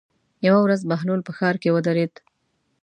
یوه ورځ بهلول په ښار کې ودرېد.